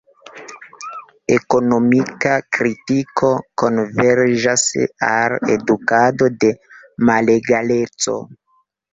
Ekonomika kritiko konverĝas al edukado de malegaleco.